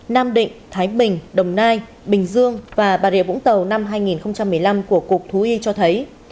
nam định thái bình đồng nai bình dương và bà rịa vũng tàu năm hai nghìn một mươi năm của cục thú y cho thấy